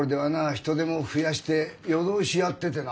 人手も増やして夜通しやっててな。